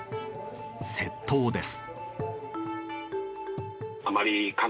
窃盗です。